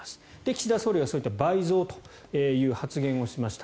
岸田総理はそういった倍増という発言をしました。